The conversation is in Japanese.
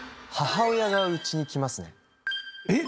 母親がうちに来ますね。